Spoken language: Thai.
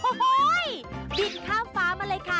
โอ้โหบินข้ามฟ้ามาเลยค่ะ